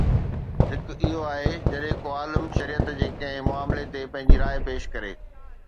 هڪ اهو آهي جڏهن ڪو عالم شريعت جي ڪنهن معاملي تي پنهنجي راءِ پيش ڪري